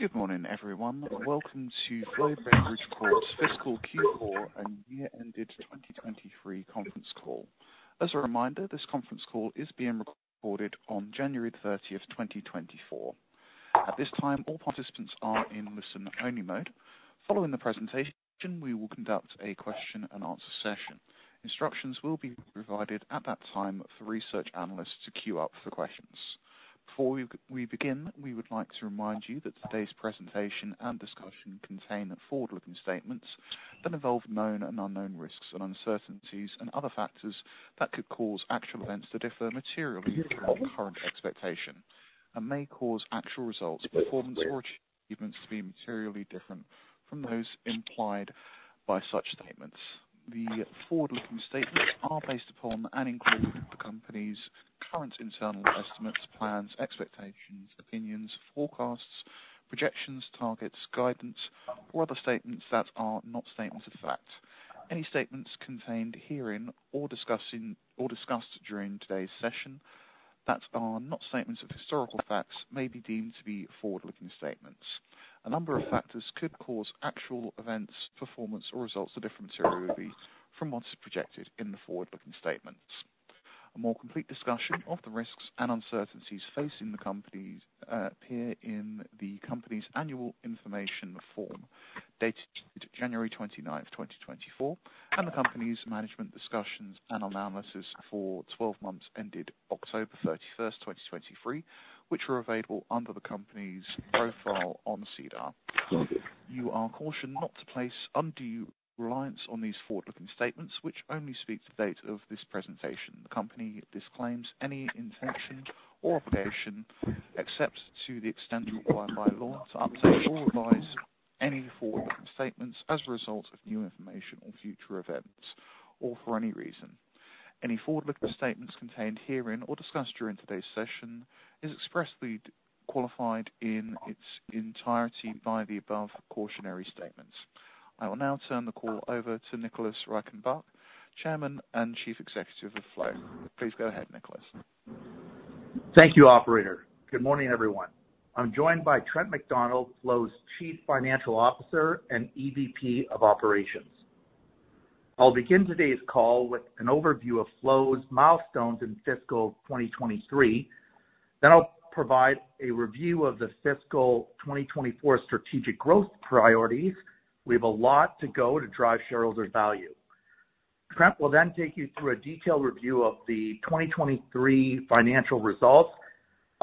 Good morning, everyone. Welcome to Flow Beverage Corp's Fiscal Q4 and Year-Ended 2023 Conference Call. As a reminder, this conference call is being recorded on January 30th, 2024. At this time, all participants are in listen-only mode. Following the presentation, we will conduct a Q&A session. Instructions will be provided at that time for research analysts to queue up for questions. Before we begin, we would like to remind you that today's presentation and discussion contain forward-looking statements that involve known and unknown risks and uncertainties and other factors that could cause actual events to differ materially from our current expectation and may cause actual results, performance, or achievements to be materially different from those implied by such statements. The forward-looking statements are based upon and include the company's current internal estimates, plans, expectations, opinions, forecasts, projections, targets, guidance, or other statements that are not statements of fact. Any statements contained herein or discussing or discussed during today's session that are not statements of historical facts may be deemed to be forward-looking statements. A number of factors could cause actual events, performance, or results to differ materially from what is projected in the forward-looking statements. A more complete discussion of the risks and uncertainties facing the companies appear in the company's annual information form, dated January 29, 2024, and the company's management discussions and analysis for 12 months ended October 31, 2023, which are available under the company's profile on SEDAR. You are cautioned not to place undue reliance on these forward-looking statements, which only speak the date of this presentation. The company disclaims any intention or obligation, except to the extent required by law, to update or revise any forward-looking statements as a result of new information or future events or for any reason. Any forward-looking statements contained herein or discussed during today's session is expressly qualified in its entirety by the above cautionary statements. I will now turn the call over to Nicholas Reichenbach, Chairman and Chief Executive of Flow. Please go ahead, Nicholas. Thank you, operator. Good morning, everyone. I'm joined by Trent MacDonald, Flow's Chief Financial Officer and EVP of Operations. I'll begin today's call with an overview of Flow's milestones in fiscal 2023. Then I'll provide a review of the fiscal 2024 strategic growth priorities. We have a lot to go to drive shareholder value. Trent will then take you through a detailed review of the 2023 financial results,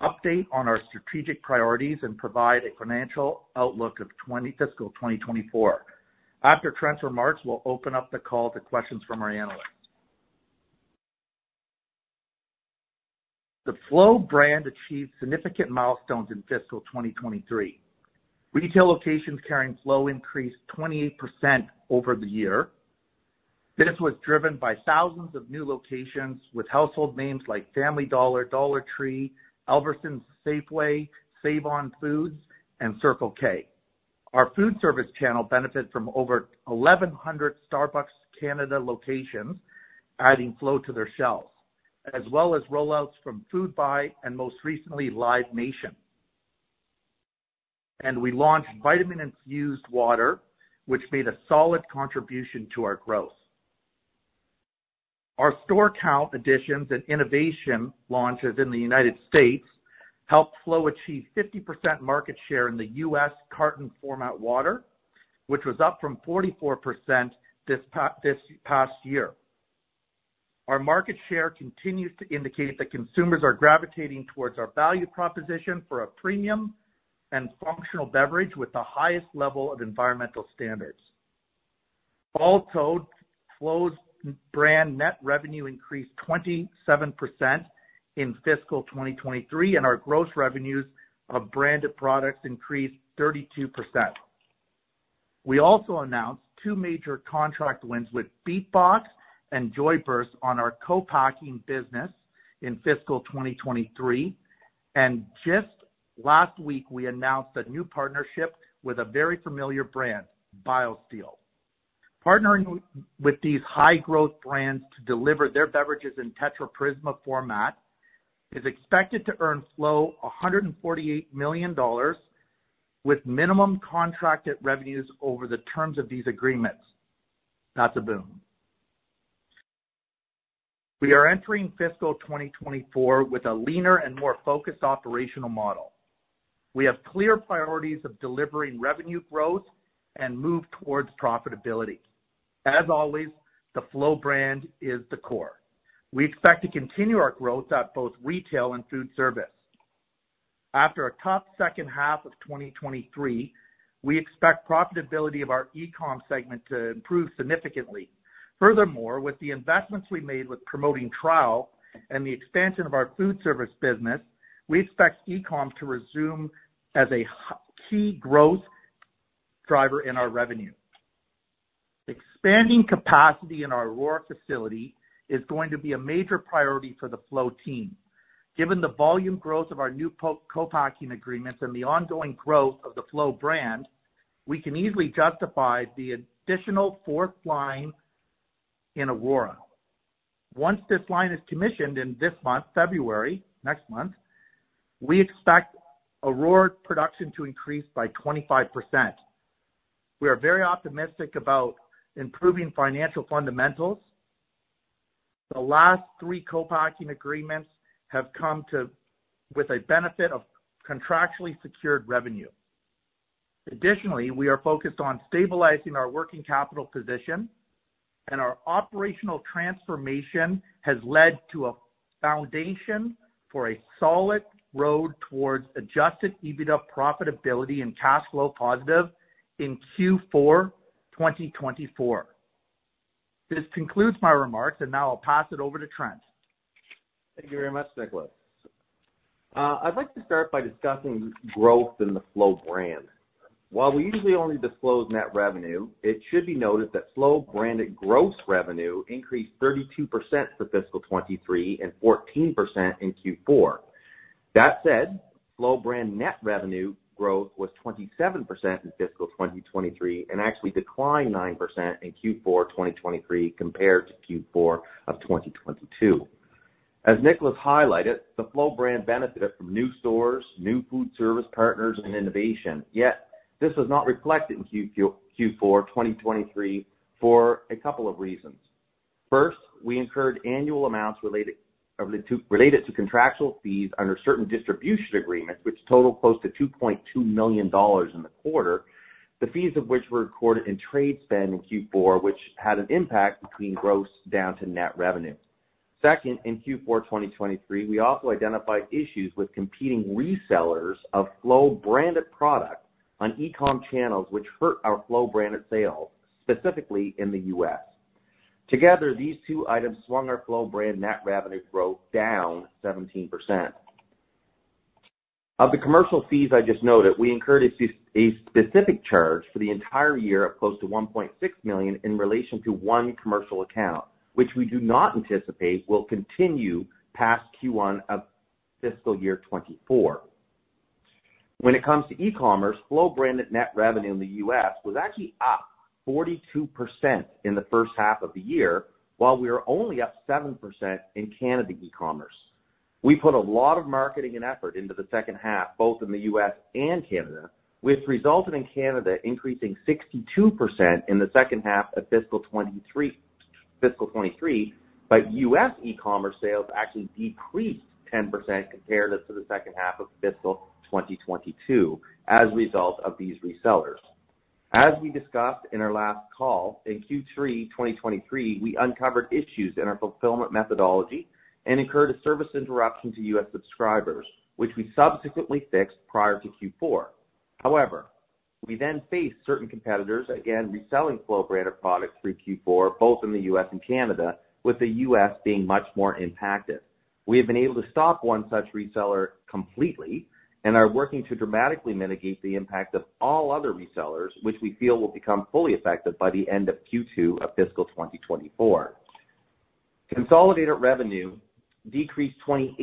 update on our strategic priorities, and provide a financial outlook of fiscal 2024. After Trent's remarks, we'll open up the call to questions from our analysts. The Flow brand achieved significant milestones in fiscal 2023. Retail locations carrying Flow increased 28% over the year. This was driven by thousands of new locations with household names like Family Dollar, Dollar Tree, Albertsons, Safeway, Save-On-Foods, and Circle K. Our food service channel benefited from over 1,100 Starbucks Canada locations, adding Flow to their shelves, as well as rollouts from Foodbuy and most recently, Live Nation. We launched vitamin-infused water, which made a solid contribution to our growth. Our store count additions and innovation launches in the United States helped Flow achieve 50% market share in the US carton format water, which was up from 44% this past year. Our market share continues to indicate that consumers are gravitating towards our value proposition for a premium and functional beverage with the highest level of environmental standards. Also, Flow's brand net revenue increased 27% in fiscal 2023, and our gross revenues of branded products increased 32%. We also announced two major contract wins with BeatBox and Joyburst on our co-packing business in fiscal 2023, and just last week, we announced a new partnership with a very familiar brand, BioSteel. Partnering with these high growth brands to deliver their beverages in Tetra Prisma format is expected to earn Flow 148 million dollars with minimum contracted revenues over the terms of these agreements. That's a boom. We are entering fiscal 2024 with a leaner and more focused operational model. We have clear priorities of delivering revenue growth and move towards profitability. As always, the Flow brand is the core. We expect to continue our growth at both retail and food service. After a tough second half of 2023, we expect profitability of our e-com segment to improve significantly. Furthermore, with the investments we made with promoting trial and the expansion of our food service business, we expect e-com to resume as a key growth driver in our revenue. Expanding capacity in our Aurora facility is going to be a major priority for the Flow team. Given the volume growth of our new co-packing agreements and the ongoing growth of the Flow brand, we can easily justify the additional fourth line in Aurora. Once this line is commissioned in this month, February, next month, we expect Aurora production to increase by 25%. We are very optimistic about improving financial fundamentals. The last three co-packing agreements have come with a benefit of contractually secured revenue. Additionally, we are focused on stabilizing our working capital position, and our operational transformation has led to a foundation for a solid road towards Adjusted EBITDA profitability and cash flow positive in Q4 2024. This concludes my remarks, and now I'll pass it over to Trent. Thank you very much, Nicholas. I'd like to start by discussing growth in the Flow brand. While we usually only disclose net revenue, it should be noted that Flow branded gross revenue increased 32% for fiscal 2023 and 14% in Q4. That said, Flow brand net revenue growth was 27% in fiscal 2023, and actually declined 9% in Q4 2023 compared to Q4 of 2022. As Nicholas highlighted, the Flow brand benefited from new stores, new food service partners, and innovation, yet this was not reflected in Q4 2023 for a couple of reasons. First, we incurred annual amounts related to contractual fees under certain distribution agreements, which totaled close to 2.2 million dollars in the quarter, the fees of which were recorded in trade spend in Q4, which had an impact between gross down to net revenue. Second, in Q4 2023, we also identified issues with competing resellers of Flow branded products on e-com channels, which hurt our Flow branded sales, specifically in the U.S. Together, these two items swung our Flow brand net revenue growth down 17%. Of the commercial fees I just noted, we incurred a specific charge for the entire year of close to 1.6 million in relation to one commercial account, which we do not anticipate will continue past Q1 of fiscal year 2024. When it comes to e-commerce, Flow branded net revenue in the U.S. was actually up 42% in the first half of the year, while we were only up 7% in Canada e-commerce. We put a lot of marketing and effort into the second half, both in the U.S. and Canada, which resulted in Canada increasing 62% in the second half of fiscal 2023, fiscal 2023, but U.S. e-commerce sales actually decreased 10% compared to the second half of fiscal 2022 as a result of these resellers. As we discussed in our last call, in Q3 2023, we uncovered issues in our fulfillment methodology and incurred a service interruption to U.S. subscribers, which we subsequently fixed prior to Q4. However, we then faced certain competitors, again, reselling Flow branded products through Q4, both in the U.S. and Canada, with the U.S. being much more impacted. We have been able to stop one such reseller completely and are working to dramatically mitigate the impact of all other resellers, which we feel will become fully effective by the end of Q2 of fiscal 2024. Consolidated revenue decreased 28%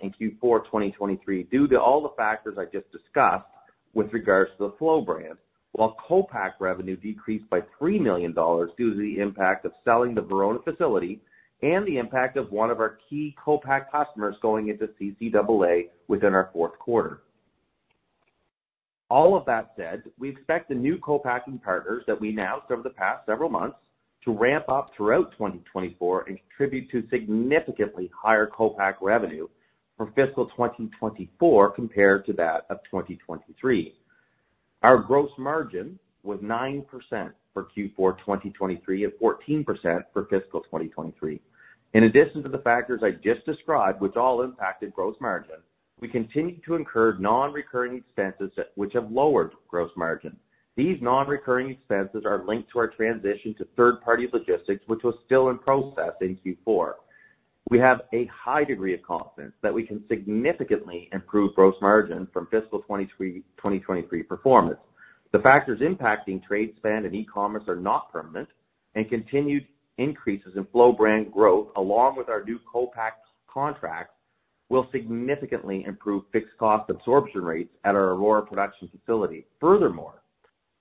in Q4 2023 due to all the factors I just discussed with regards to the Flow brand, while co-pack revenue decreased by 3 million dollars due to the impact of selling the Verona facility and the impact of one of our key co-pack customers going into CCAA within our Q4. All of that said, we expect the new co-packing partners that we announced over the past several months to ramp up throughout 2024 and contribute to significantly higher co-pack revenue for fiscal 2024 compared to that of 2023. Our gross margin was 9% for Q4 2023 and 14% for fiscal 2023. In addition to the factors I just described, which all impacted Gross Margin, we continued to incur non-recurring expenses that which have lowered Gross Margin. These non-recurring expenses are linked to our transition to third-party logistics, which was still in process in Q4. We have a high degree of confidence that we can significantly improve Gross Margin from fiscal 2023, 2023 performance. The factors impacting Trade Spend and e-commerce are not permanent, and continued increases in Flow brand growth, along with our new co-pack contracts, will significantly improve fixed cost absorption rates at our Aurora production facility. Furthermore,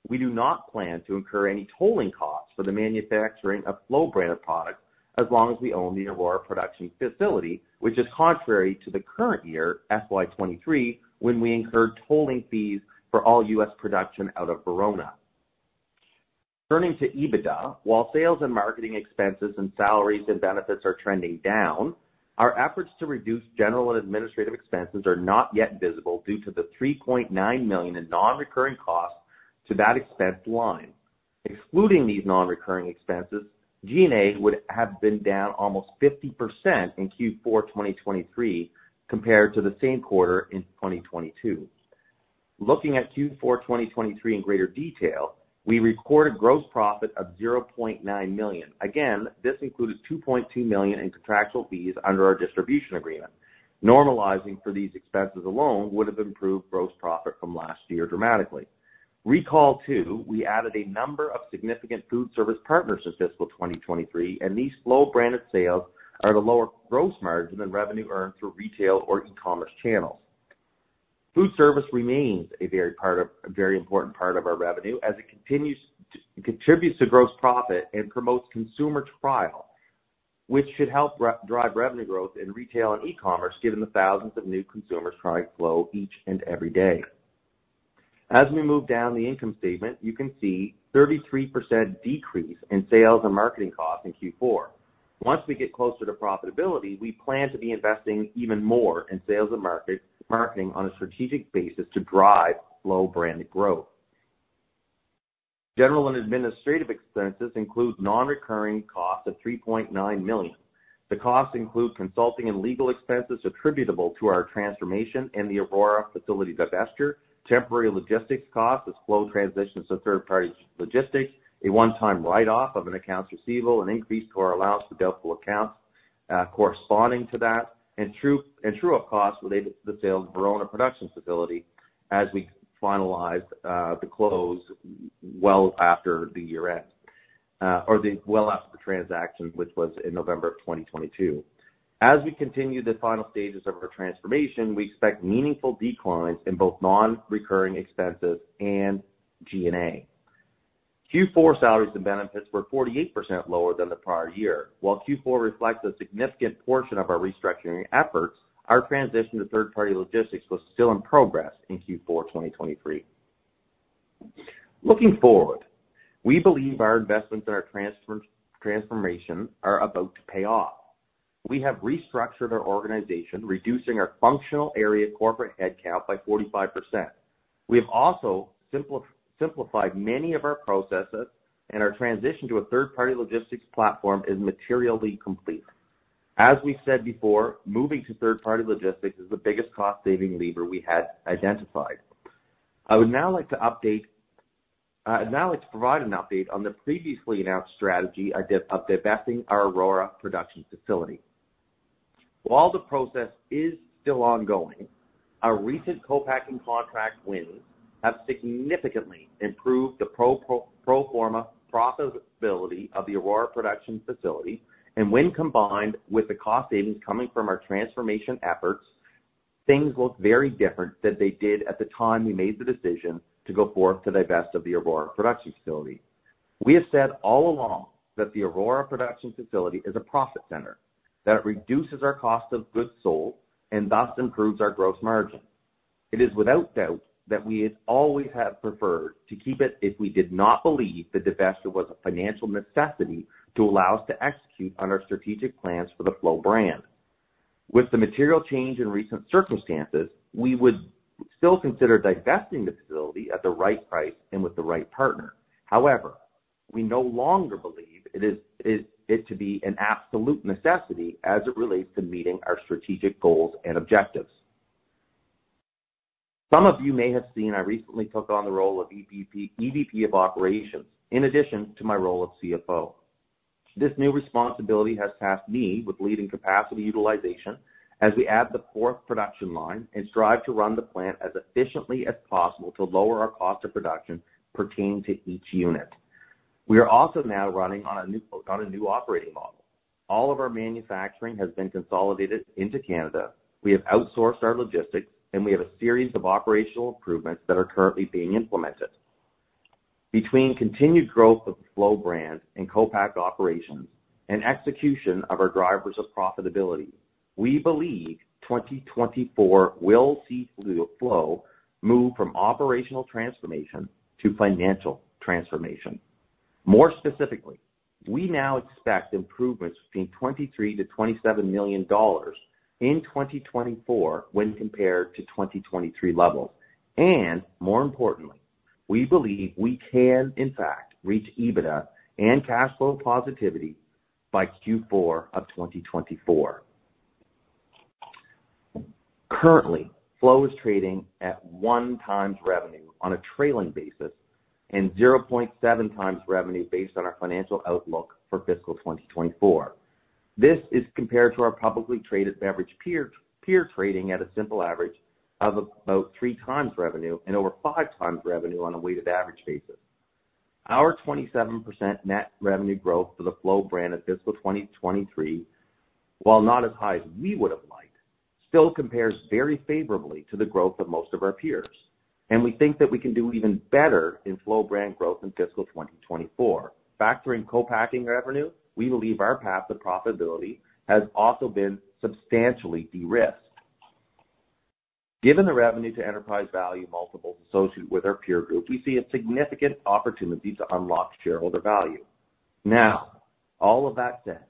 we do not plan to incur any tolling costs for the manufacturing of Flow brand of products as long as we own the Aurora production facility, which is contrary to the current year, FY 2023, when we incurred tolling fees for all U.S. production out of Verona. Turning to EBITDA, while sales and marketing expenses and salaries and benefits are trending down, our efforts to reduce general and administrative expenses are not yet visible due to the 3.9 million in non-recurring costs to that expense line. Excluding these non-recurring expenses, G&A would have been down almost 50% in Q4 2023 compared to the same quarter in 2022. Looking at Q4 2023 in greater detail, we recorded gross profit of 0.9 million. Again, this included 2.2 million in contractual fees under our distribution agreement. Normalizing for these expenses alone would have improved gross profit from last year dramatically. Recall, too, we added a number of significant food service partners in fiscal 2023, and these Flow branded sales are at a lower gross margin than revenue earned through retail or e-commerce channels.... Food service remains a very part of, a very important part of our revenue as it continues to contribute to gross profit and promotes consumer trial, which should help drive revenue growth in retail and e-commerce, given the thousands of new consumers trying Flow each and every day. As we move down the income statement, you can see 33% decrease in sales and marketing costs in Q4. Once we get closer to profitability, we plan to be investing even more in sales and marketing on a strategic basis to drive Flow brand growth. General and administrative expenses include nonrecurring costs of 3.9 million. The costs include consulting and legal expenses attributable to our transformation and the Aurora facility divestiture, temporary logistics costs as Flow transitions to third-party logistics, a one-time write-off of an accounts receivable, an increase to our allowance for doubtful accounts, corresponding to that, and true-up costs related to the sale of our own production facility as we finalized the closing well after the year-end, well after the transaction, which was in November of 2022. As we continue the final stages of our transformation, we expect meaningful declines in both nonrecurring expenses and G&A. Q4 salaries and benefits were 48% lower than the prior year. While Q4 reflects a significant portion of our restructuring efforts, our transition to third-party logistics was still in progress in Q4 2023. Looking forward, we believe our investments and our transformation are about to pay off. We have restructured our organization, reducing our functional area corporate headcount by 45%. We have also simplified many of our processes, and our transition to a third-party logistics platform is materially complete. As we said before, moving to third-party logistics is the biggest cost-saving lever we had identified. I would now like to provide an update on the previously announced strategy of divesting our Aurora production facility. While the process is still ongoing, our recent co-packing contract wins have significantly improved the pro forma profitability of the Aurora production facility, and when combined with the cost savings coming from our transformation efforts, things look very different than they did at the time we made the decision to go forth to divest of the Aurora production facility. We have said all along that the Aurora production facility is a profit center, that it reduces our cost of goods sold and thus improves our gross margin. It is without doubt that we always have preferred to keep it if we did not believe the divesture was a financial necessity to allow us to execute on our strategic plans for the Flow brand. With the material change in recent circumstances, we would still consider divesting the facility at the right price and with the right partner. However, we no longer believe it is to be an absolute necessity as it relates to meeting our strategic goals and objectives. Some of you may have seen I recently took on the role of EVP of Operations, in addition to my role as CFO. This new responsibility has tasked me with leading capacity utilization as we add the fourth production line and strive to run the plant as efficiently as possible to lower our cost of production pertaining to each unit. We are also now running on a new operating model. All of our manufacturing has been consolidated into Canada. We have outsourced our logistics, and we have a series of operational improvements that are currently being implemented. Between continued growth of the Flow brand and co-pack operations and execution of our drivers of profitability, we believe 2024 will see Flow move from operational transformation to financial transformation. More specifically, we now expect improvements between 23 million-27 million dollars in 2024 when compared to 2023 levels. More importantly, we believe we can, in fact, reach EBITDA and cash flow positivity by Q4 of 2024. Currently, Flow is trading at 1x revenue on a trailing basis and 0.7x revenue based on our financial outlook for fiscal 2024. This is compared to our publicly traded beverage peer, peer trading at a simple average of about 3x revenue and over 5x revenue on a weighted average basis. Our 27% net revenue growth for the Flow brand at fiscal 2023, while not as high as we would have liked, still compares very favorably to the growth of most of our peers, and we think that we can do even better in Flow brand growth in fiscal 2024. Factoring co-packing revenue, we believe our path to profitability has also been substantially de-risked. Given the revenue to enterprise value multiples associated with our peer group, we see a significant opportunity to unlock shareholder value. Now, all of that said,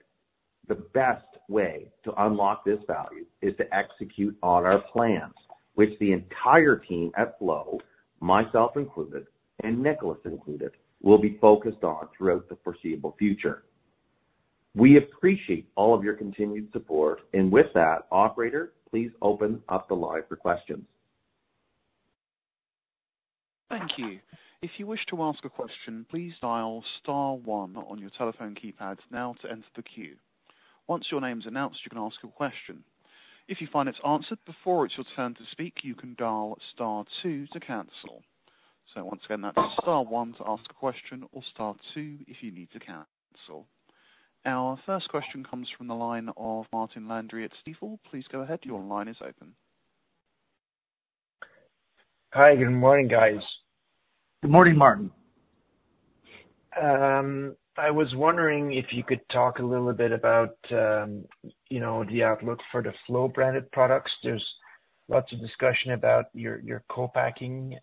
the best way to unlock this value is to execute on our plans, which the entire team at Flow, myself included, and Nicholas included, will be focused on throughout the foreseeable future. We appreciate all of your continued support. And with that, operator, please open up the line for questions. Thank you. If you wish to ask a question, please dial star one on your telephone keypad now to enter the queue. Once your name is announced, you can ask your question. If you find it's answered before it's your turn to speak, you can dial star two to cancel. So once again, that's star one to ask a question or star two if you need to cancel.... Our first question comes from the line of Martin Landry at Stifel. Please go ahead. Your line is open. Hi, good morning, guys. Good morning, Martin. I was wondering if you could talk a little bit about, you know, the outlook for the Flow branded products. There's lots of discussion about your co-packing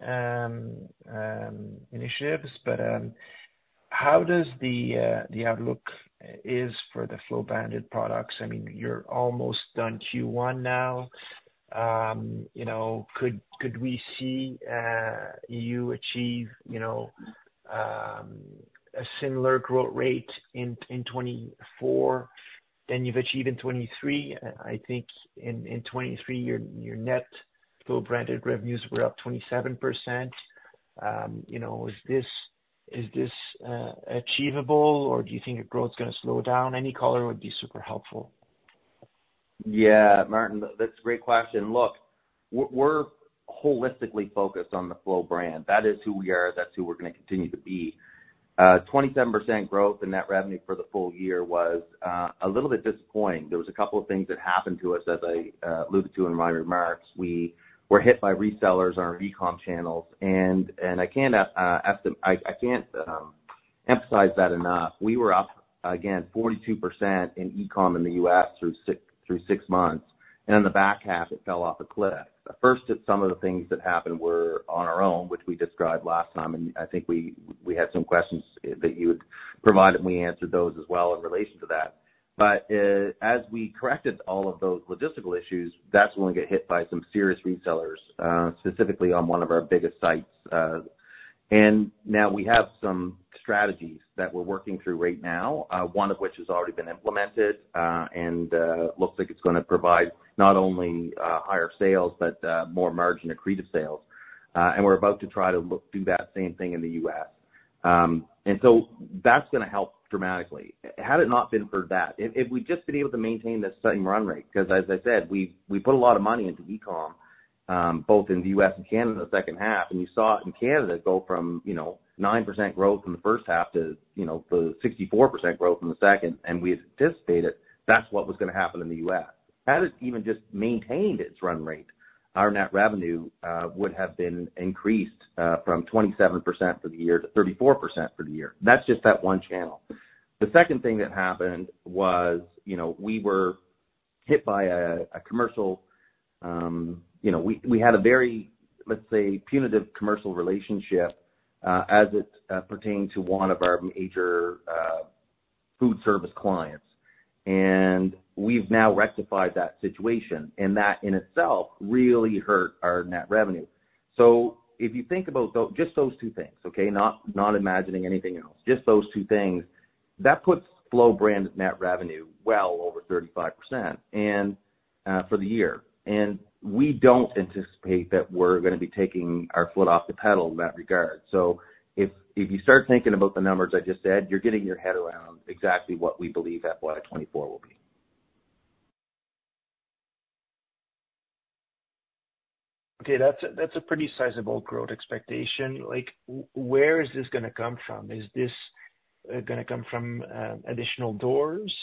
initiatives, but how does the outlook is for the Flow branded products? I mean, you're almost done Q1 now. You know, could we see you achieve a similar growth rate in 2024 than you've achieved in 2023? I think in 2023, your net Flow branded revenues were up 27%. You know, is this achievable, or do you think your growth is gonna slow down? Any color would be super helpful. Yeah, Martin, that's a great question. Look, we're holistically focused on the Flow brand. That is who we are, that's who we're gonna continue to be. 27 percent growth in net revenue for the full year was a little bit disappointing. There was a couple of things that happened to us, as I alluded to in my remarks. We were hit by resellers on our e-com channels, and I can't emphasize that enough. We were up, again, 42% in e-com in the U.S. through six months, and in the back half, it fell off a cliff. First, some of the things that happened were on our own, which we described last time, and I think we had some questions that you had provided, and we answered those as well in relation to that. But, as we corrected all of those logistical issues, that's when we got hit by some serious resellers, specifically on one of our biggest sites. And now we have some strategies that we're working through right now, one of which has already been implemented, and looks like it's gonna provide not only higher sales, but more margin accretive sales. And we're about to try to do that same thing in the U.S. and so that's gonna help dramatically. Had it not been for that, if we'd just been able to maintain that same run rate, because as I said, we put a lot of money into e-com, both in the US and Canada in the second half, and you saw it in Canada go from, you know, 9% growth in the first half to, you know, to 64% growth in the second, and we had anticipated that's what was gonna happen in the US. Had it even just maintained its run rate, our net revenue would have been increased from 27% for the year to 34% for the year. That's just that one channel. The second thing that happened was, you know, we were hit by a commercial, You know, we had a very, let's say, punitive commercial relationship as it pertained to one of our major food service clients, and we've now rectified that situation, and that in itself really hurt our net revenue. So if you think about those two things, okay? Not imagining anything else, just those two things, that puts Flow brand net revenue well over 35%, and for the year. And we don't anticipate that we're gonna be taking our foot off the pedal in that regard. So if you start thinking about the numbers I just said, you're getting your head around exactly what we believe FY 2024 will be. Okay, that's a pretty sizable growth expectation. Like, where is this gonna come from? Is this gonna come from additional doors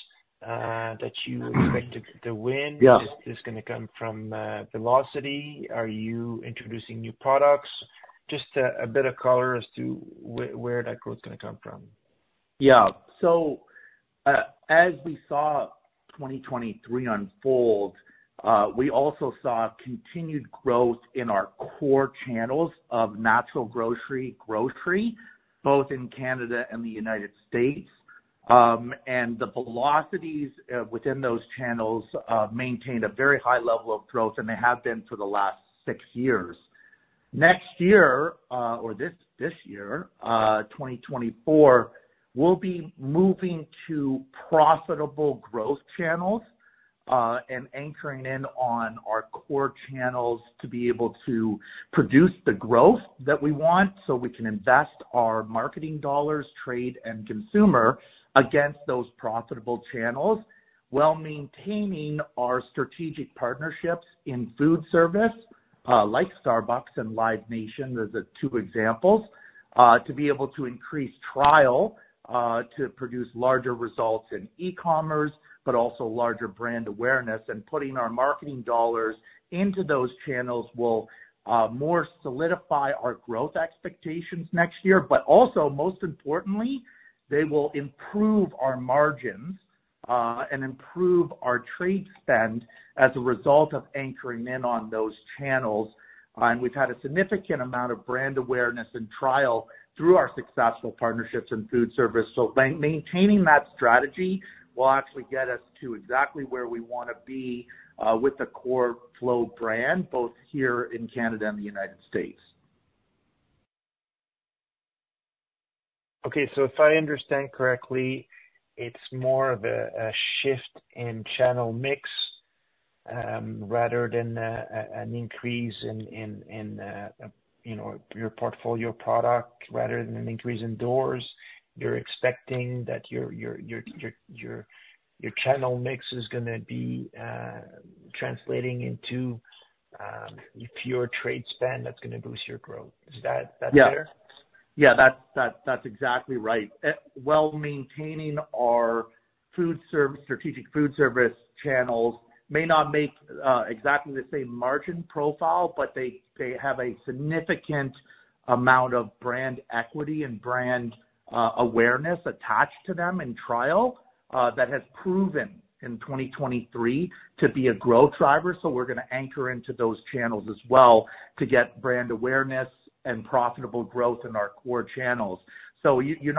that you expect to win? Yeah. Is this gonna come from velocity? Are you introducing new products? Just a bit of color as to where that growth is gonna come from. Yeah. So, as we saw 2023 unfold, we also saw continued growth in our core channels of natural grocery, grocery, both in Canada and the United States. And the velocities within those channels maintained a very high level of growth, and they have been for the last six years. Next year, or this, this year, 2024, we'll be moving to profitable growth channels, and anchoring in on our core channels to be able to produce the growth that we want, so we can invest our marketing dollars, trade, and consumer against those profitable channels, while maintaining our strategic partnerships in food service, like Starbucks and Live Nation, as the two examples. To be able to increase trial, to produce larger results in e-commerce, but also larger brand awareness. Putting our marketing dollars into those channels will more solidify our growth expectations next year. Also, most importantly, they will improve our margins and improve our trade spend as a result of anchoring in on those channels. We've had a significant amount of brand awareness and trial through our successful partnerships in food service. Maintaining that strategy will actually get us to exactly where we want to be with the core Flow brand, both here in Canada and the United States. Okay, so if I understand correctly, it's more of a shift in channel mix rather than an increase in, you know, your portfolio product, rather than an increase in doors. You're expecting that your channel mix is gonna be translating into if your trade spend that's gonna boost your growth. Is that fair? Yeah. Yeah, that's, that, that's exactly right. Well, maintaining our food service strategic food service channels may not make exactly the same margin profile, but they, they have a significant amount of brand equity and brand awareness attached to them in trial that has proven in 2023 to be a growth driver. So we're gonna anchor into those channels as well to get brand awareness and profitable growth in our core channels. So you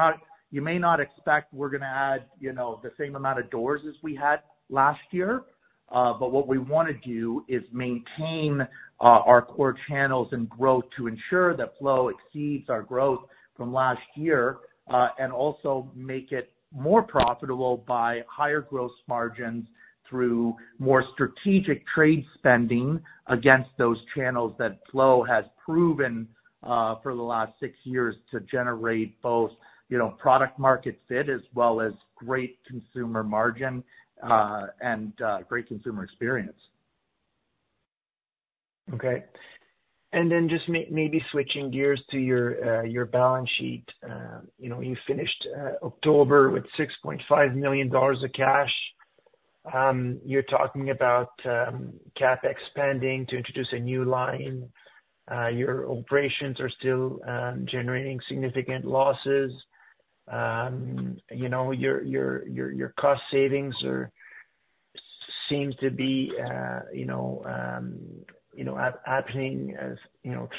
may not expect we're gonna add, you know, the same amount of doors as we had last year, but what we wanna do is maintain our core channels and growth to ensure that Flow exceeds our growth from last year, and also make it more profitable by higher growth margins through more strategic trade spending against those channels that Flow has proven for the last six years to generate both, you know, product market fit, as well as great consumer margin, and great consumer experience. Okay. And then just maybe switching gears to your balance sheet. You know, you finished October with 6.5 million dollars of cash. You're talking about CapEx spending to introduce a new line. Your operations are still generating significant losses. You know, your cost savings seems to be happening as you know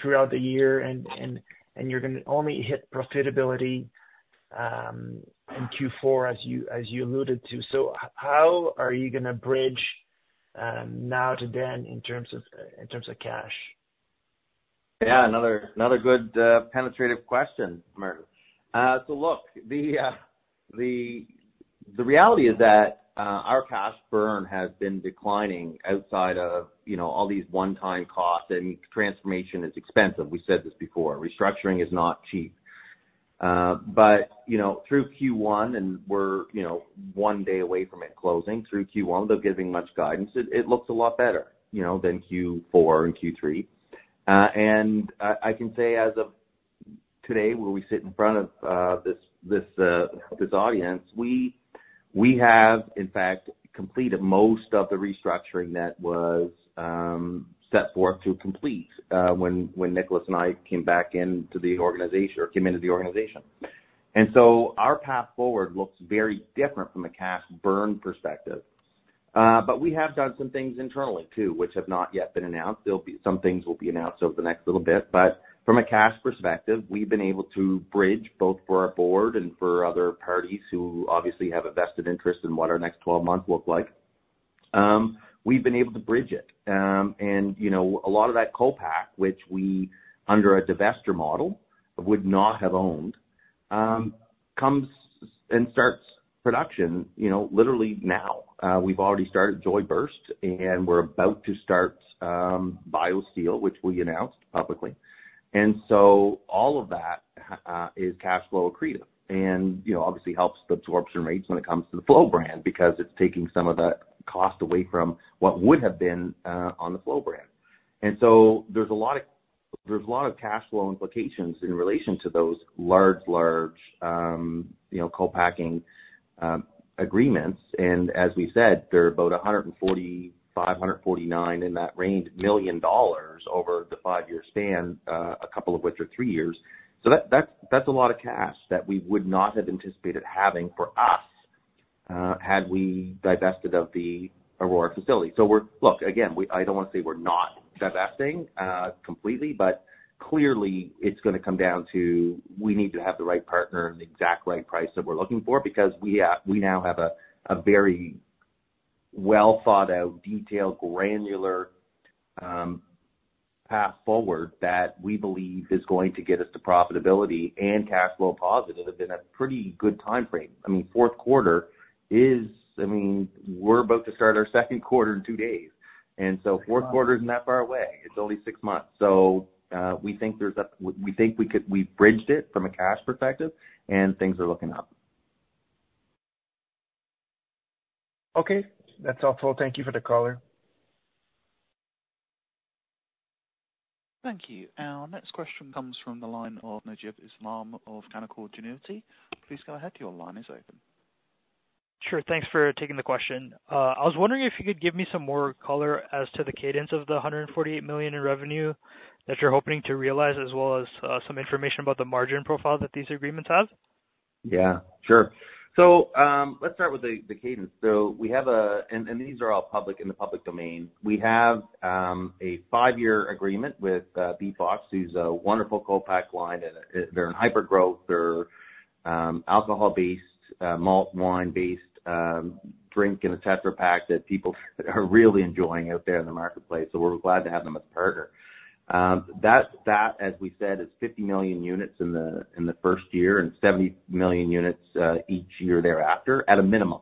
throughout the year, and you're gonna only hit profitability in Q4 as you alluded to. So how are you gonna bridge now to then, in terms of cash? Yeah, another good, penetrative question, Martin. So look, the reality is that, our cash burn has been declining outside of, you know, all these one-time costs, and transformation is expensive. We said this before, restructuring is not cheap. But, you know, through Q1, and we're, you know, one day away from it closing, through Q1, though giving much guidance, it looks a lot better, you know, than Q4 and Q3. And I can say as of today, where we sit in front of this audience, we have, in fact, completed most of the restructuring that was set forth to complete, when Nicholas and I came back into the organization or came into the organization. And so our path forward looks very different from a cash burn perspective. But we have done some things internally, too, which have not yet been announced. There'll be some things will be announced over the next little bit, but from a cash perspective, we've been able to bridge, both for our board and for other parties who obviously have a vested interest in what our next 12 months look like. We've been able to bridge it. And, you know, a lot of that co-pack, which we, under a divestiture model, would not have owned, comes and starts production, you know, literally now. We've already started Joyburst, and we're about to start BioSteel, which we announced publicly. And so all of that is cash flow accretive, and, you know, obviously helps the absorption rates when it comes to the Flow brand, because it's taking some of the cost away from what would have been on the Flow brand. And so there's a lot of, there's a lot of cash flow implications in relation to those large, large, you know, co-packing agreements. And as we said, they're about 145 million-149 million dollars, in that range, over the five-year span, a couple of which are three years. So that, that's, that's a lot of cash that we would not have anticipated having for us had we divested of the Aurora facility. So we're... Look, again, I don't wanna say we're not divesting completely, but clearly, it's gonna come down to, we need to have the right partner and the exact right price that we're looking for, because we now have a very well thought out, detailed, granular path forward that we believe is going to get us to profitability and cash flow positive in a pretty good timeframe. I mean, Q4 is, I mean, we're about to start our Q2 in two days, and so Q4 is not far away. It's only six months. So, we think we've bridged it from a cash perspective, and things are looking up. Okay, that's all. Thank you for the color. Thank you. Our next question comes from the line of Najeeb Islam of Canaccord Genuity. Please go ahead, your line is open. Sure. Thanks for taking the question. I was wondering if you could give me some more color as to the cadence of the 148 million in revenue that you're hoping to realize, as well as, some information about the margin profile that these agreements have. Yeah, sure. So let's start with the cadence. So we have these are all public, in the public domain. We have a five-year agreement with BeatBox, who's a wonderful co-pack line, and they're in hypergrowth. They're alcohol-based, malt wine-based drink in a Tetra Pak that people are really enjoying out there in the marketplace, so we're glad to have them as partner. That, as we said, is 50 million units in the first year and 70 million units each year thereafter, at a minimum.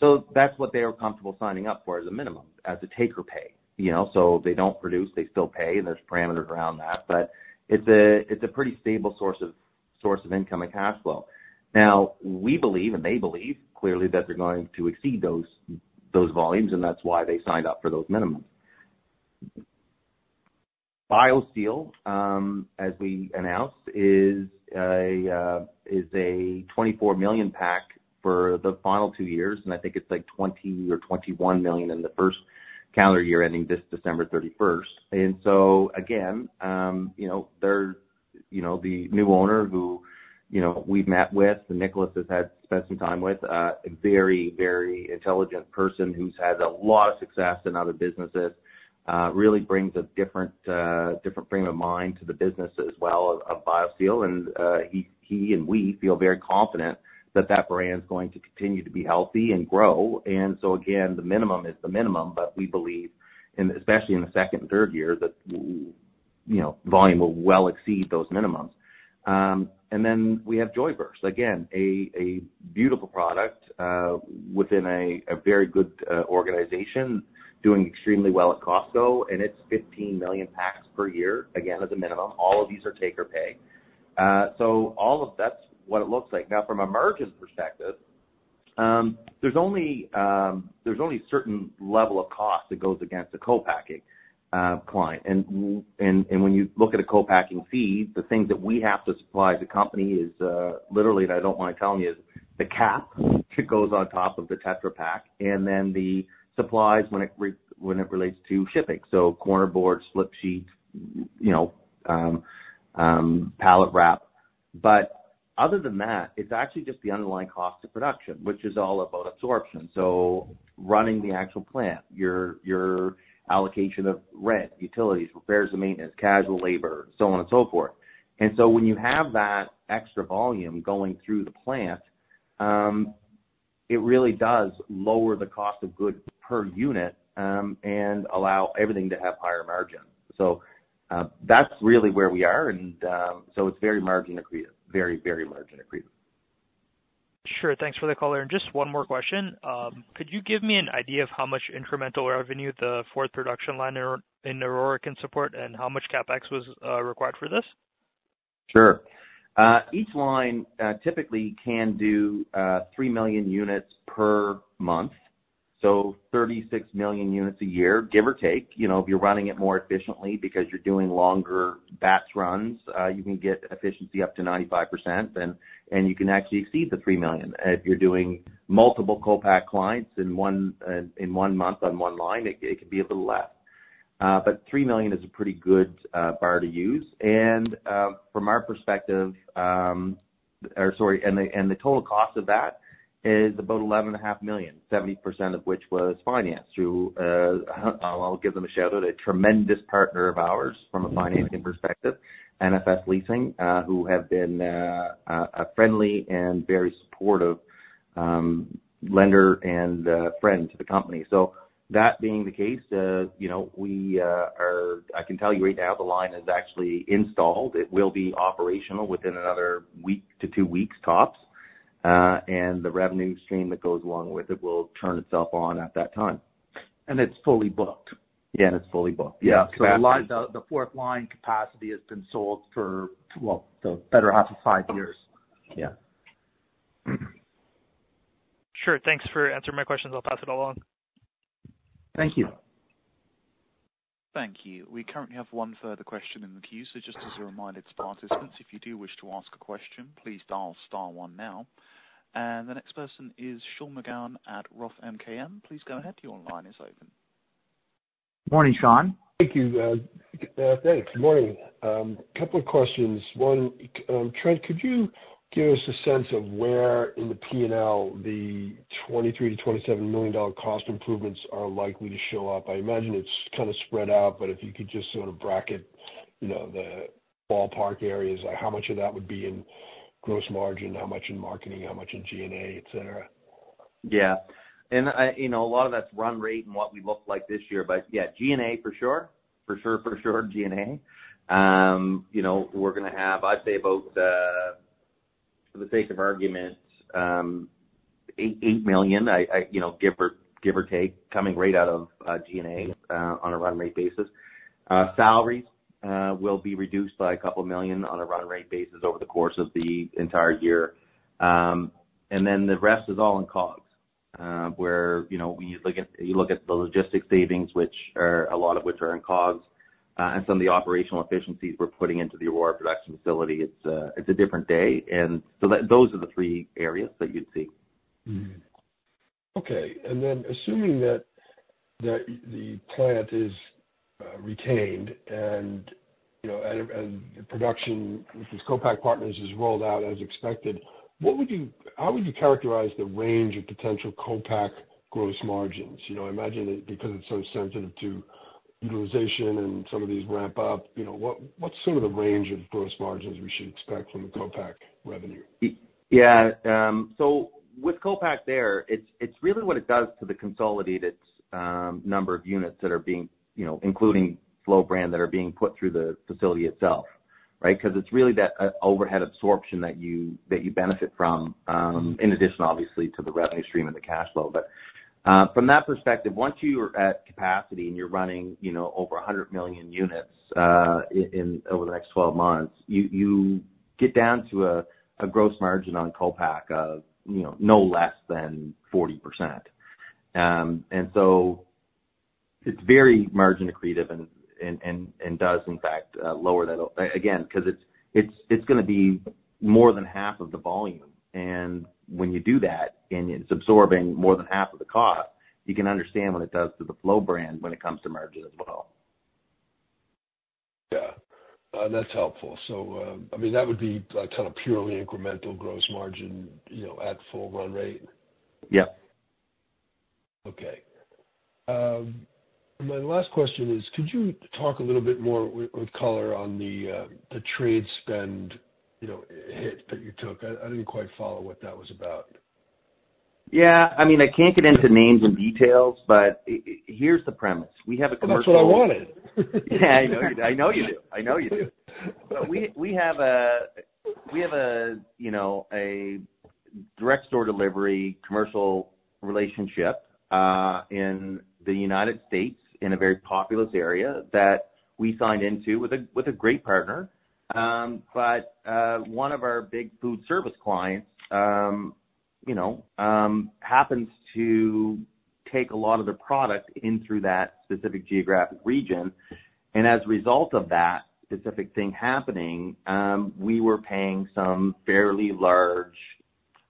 So that's what they are comfortable signing up for as a minimum, as a take or pay, you know, so if they don't produce, they still pay, and there's parameters around that. But it's a pretty stable source of income and cash flow. Now, we believe, and they believe, clearly, that they're going to exceed those volumes, and that's why they signed up for those minimums. BioSteel, as we announced, is a 24 million pack for the final two years, and I think it's like 20 or 21 million in the first calendar year, ending this December 31st. So again, you know, they're, you know, the new owner who, you know, we've met with, and Nicholas has had spent some time with, a very, very intelligent person who's had a lot of success in other businesses. Really brings a different frame of mind to the business as well, of BioSteel. And, he and we feel very confident that that brand's going to continue to be healthy and grow. So again, the minimum is the minimum, but we believe, and especially in the second and third year, that, you know, volume will well exceed those minimums. And then we have Joyburst. Again, a beautiful product within a very good organization, doing extremely well at Costco, and it's 15 million packs per year, again, as a minimum. All of these are take or pay. So all of that's what it looks like. Now from a margins perspective, there's only a certain level of cost that goes against the co-packing client. When you look at a co-packing fee, the things that we have to supply the company is, literally, and I don't mind telling you, is the cap that goes on top of the Tetra Pak, and then the supplies when it relates to shipping. So corner boards, slip sheets, you know, pallet wrap. But other than that, it's actually just the underlying cost of production, which is all about absorption. So running the actual plant, your allocation of rent, utilities, repairs and maintenance, casual labor, so on and so forth. And so when you have that extra volume going through the plant, it really does lower the cost of goods per unit, and allow everything to have higher margins. So, that's really where we are, and, so it's very margin accretive. Very, very margin accretive. Sure. Thanks for the color. Just one more question. Could you give me an idea of how much incremental revenue the fourth production line in Aurora can support, and how much CapEx was required for this? Sure. Each line typically can do 3 million units per month, so 36 million units a year, give or take. You know, if you're running it more efficiently because you're doing longer batch runs, you can get efficiency up to 95%, and you can actually exceed the 3 million. If you're doing multiple co-pack clients in one month on one line, it could be a little less. But 3 million is a pretty good bar to use. And from our perspective... And the total cost of that is about 11.5 million, 70% of which was financed through, I'll give them a shout-out, a tremendous partner of ours from a financing perspective, NFS Leasing, who have been a friendly and very supportive lender and friend to the company. So that being the case, you know, we are—I can tell you right now, the line is actually installed. It will be operational within another week to 2 weeks, tops. And the revenue stream that goes along with it will turn itself on at that time. It's fully booked. Yeah, and it's fully booked. Yeah, exactly. So the line, the fourth line capacity has been sold for, well, the better half of five years. Yeah. Sure. Thanks for answering my questions. I'll pass it along. Thank you. Thank you. We currently have one further question in the queue. So just as a reminder to participants, if you do wish to ask a question, please dial star one now. And the next person is Sean McGowan at Roth MKM. Please go ahead, your line is open. Morning, Sean. Thank you, hey, good morning. A couple of questions. One, Trent, could you give us a sense of where in the P&L the 23 million-27 million dollar cost improvements are likely to show up? I imagine it's kind of spread out, but if you could just sort of bracket, you know, the ballpark areas, like how much of that would be in gross margin, how much in marketing, how much in G&A, et cetera. Yeah. You know, a lot of that's run rate and what we look like this year, but yeah, G&A for sure. For sure, for sure, G&A. You know, we're gonna have, I'd say, about, for the sake of argument, 8 million, you know, give or, give or take, coming right out of G&A on a run rate basis. Salaries will be reduced by 2 million on a run rate basis over the course of the entire year. And then the rest is all in COGS, where, you know, when you look at the logistics savings, which are a lot of which are in COGS, and some of the operational efficiencies we're putting into the Aurora production facility, it's a different day. And so those are the three areas that you'd see. Mm-hmm. Okay, and then assuming that the plant is retained and, you know, and production with these co-pack partners is rolled out as expected, what would you, how would you characterize the range of potential co-pack gross margins? You know, I imagine that because it's so sensitive to utilization and some of these ramp up, you know, what's some of the range of gross margins we should expect from the co-pack revenue? Yeah, so with co-pack there, it's really what it does to the consolidated number of units that are being, you know, including Flow brand, that are being put through the facility itself. Right? Because it's really that overhead absorption that you benefit from, in addition, obviously, to the revenue stream and the cash flow. But from that perspective, once you are at capacity and you're running, you know, over 100 million units over the next 12 months, you get down to a Gross Margin on co-pack of, you know, no less than 40%. And so it's very margin accretive and does in fact lower that. Again, because it's gonna be more than half of the volume, and when you do that, and it's absorbing more than half of the cost, you can understand what it does to the Flow brand when it comes to margin as well. Yeah. That's helpful. So, I mean, that would be a ton of purely incremental gross margin, you know, at full run rate? Yep. Okay. My last question is, could you talk a little bit more with color on the trade spend, you know, hit that you took? I didn't quite follow what that was about. Yeah. I mean, I can't get into names and details, but here's the premise. We have a commercial- That's what I wanted. Yeah, I know, I know you do. I know you do. But we have a, you know, a direct store delivery commercial relationship in the United States in a very populous area that we signed into with a great partner. But one of our big food service clients, you know, happens to take a lot of the product in through that specific geographic region. And as a result of that specific thing happening, we were paying some fairly large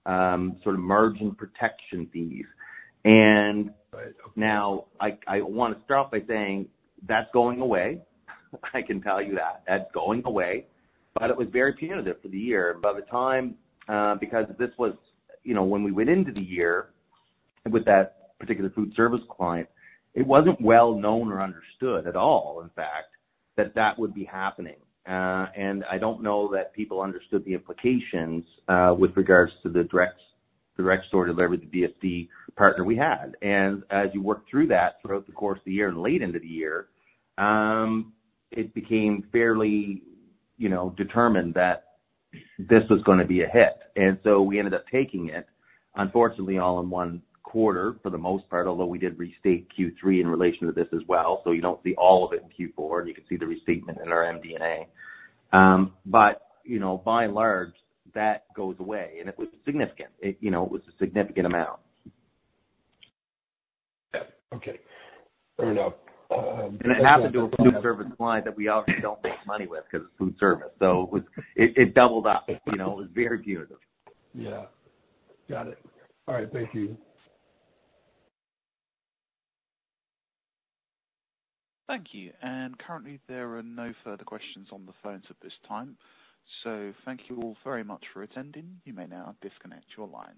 sort of margin protection fees. And- Right. Okay. Now, I wanna start off by saying, that's going away. I can tell you that, that's going away, but it was very punitive for the year. By the time, because this was, you know, when we went into the year with that particular food service client, it wasn't well known or understood at all, in fact, that that would be happening. And I don't know that people understood the implications, with regards to the direct store delivery, the DSD partner we had. And as you worked through that, throughout the course of the year and late into the year, it became fairly, you know, determined that this was gonna be a hit. And so we ended up taking it, unfortunately, all in one quarter for the most part, although we did restate Q3 in relation to this as well. So you don't see all of it in Q4, and you can see the restatement in our MD&A. But, you know, by and large, that goes away. And it was significant. It, you know, it was a significant amount. Yeah. Okay. Fair enough. It happened to a food service client that we already don't make money with, because food service, so it doubled up. You know, it was very punitive. Yeah. Got it. All right. Thank you. Thank you. Currently, there are no further questions on the phones at this time. So thank you all very much for attending. You may now disconnect your line.